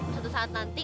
suatu saat nanti